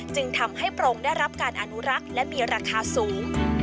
จึงทำให้พระองค์ได้รับการอนุรักษ์และมีราคาสูง